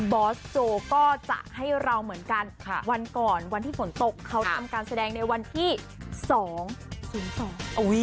บอสโจ้ก็จะให้เราเหมือนกันวันก่อนวันที่ฝนตกเขาทำการแสดงในวันที่๒๐๒